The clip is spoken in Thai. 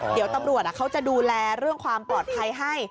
เดี๋ยวตำรวจเขาจะดูแลเรื่องความปลอดภัยให้